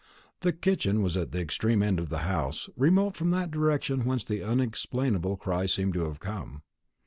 The kitchen was at the extreme end of the house, remote from that direction whence the unexplainable cry seemed to have come.